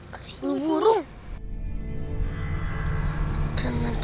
haaaa hantar barung kabel